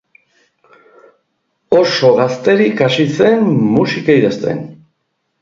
Oso gazterik hasi zen musika idazten.